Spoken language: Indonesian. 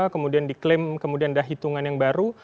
kemudian diklaim kemudian ada hitungan yang baru